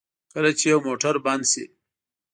کله چې یو موټر بند شي.